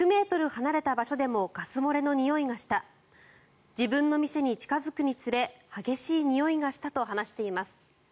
離れた場所でもガス漏れのにおいがした自分の店に近付くにつれ激しいにおいがしたと話しています。